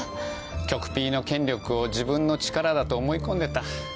局Ｐの権力を自分の力だと思い込んでた。